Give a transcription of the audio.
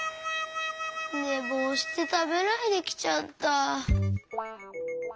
ねぼうしてたべないできちゃった。